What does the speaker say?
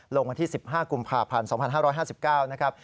๐๐๒๙๓๒๒๔๖๗ลงวันที่๑๕กุมภาพันธ์๒๕๕๙นะครับ